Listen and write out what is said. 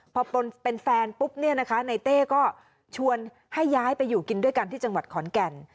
พอเป็นแฟนปุ๊บเนี่ยนะคะในเต้ก็ชวนให้ย้ายไปอยู่กินด้วยกันที่จังหวัดขอนแก่น